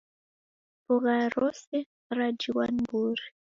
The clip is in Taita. Mbogha rose rajighwa ni mburi